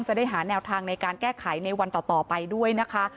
จะได้หาแนวทางในการแก้ไขในวันต่อไปด้วยนะคะ